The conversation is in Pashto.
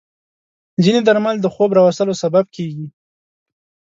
ځینې درمل د خوب راوستلو سبب کېږي.